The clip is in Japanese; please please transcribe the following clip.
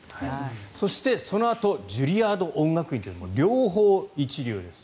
そして、そのあとジュリアード音楽院という両方一流です。